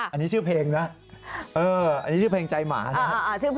อันนี้ชื่อเพลงนะชื่อเพลงใจหมานะ